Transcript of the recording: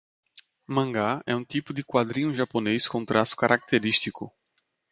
Mangá é um tipo de quadrinho japonês com traço característico